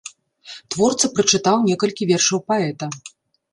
Творца прачытаў некалькі вершаў паэта.